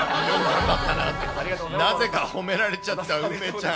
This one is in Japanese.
なぜか褒められちゃった梅ちゃん。